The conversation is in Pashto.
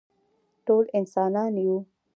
ټول انسانان یو